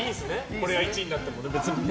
これは１位になっても別にね。